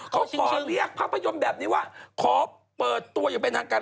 เขาขอเรียกภาพยนต์แบบนี้ว่าขอเปิดตัวอยู่ในหนังกัน